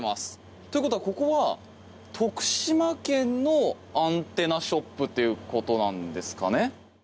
ってことは、ここは徳島県のアンテナショップということですかね。